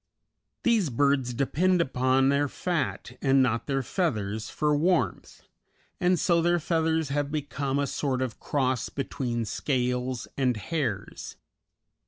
These birds depend upon their fat, and not on their feathers, for warmth, and so their feathers have become a sort of cross between scales and hairs.